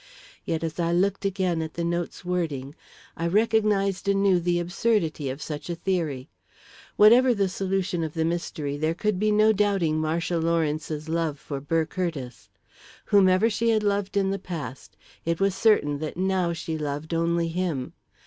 Yet as I looked again at the note's wording, I recognised anew the absurdity of such a theory. Whatever the solution of the mystery, there could be no doubting Marcia Lawrence's love for Burr Curtiss; whomever she had loved in the past, it was certain that now she loved only him.